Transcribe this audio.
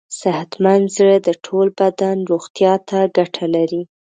صحتمند زړه د ټول بدن روغتیا ته ګټه لري.